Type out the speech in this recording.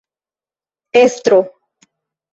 estro